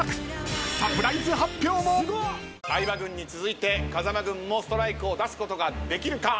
相葉軍に続いて風間軍もストライクを出すことができるか？